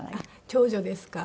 長女ですか？